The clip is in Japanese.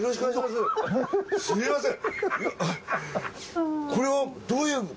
すみません。